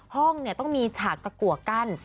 ห้องต้องมีฉากตะกัวกั้น